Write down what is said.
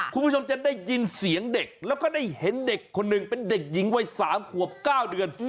คุณผู้ชมจะได้ยินเสียงเด็กแล้วก็ได้เห็นเด็กคนหนึ่งเป็นเด็กหญิงวัย๓ขวบ๙เดือน